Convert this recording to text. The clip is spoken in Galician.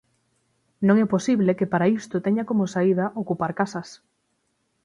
Non é posible que para isto teña como saída ocupar casas.